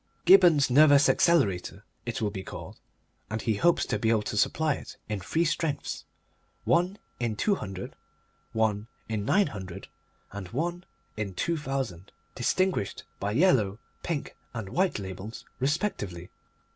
Gibberne's Nervous Accelerator it will be called, and he hopes to be able to supply it in three strengths: one in 200, one in 900, and one in 2000, distinguished by yellow, pink, and white labels respectively.